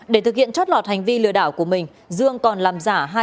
để thực hiện trót lọt hành vi lừa đảo của mình dương còn làm giả hai giấy thông báo